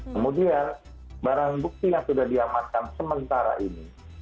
kemudian barang bukti yang sudah diamankan sementara ini